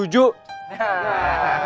lo lanjut makan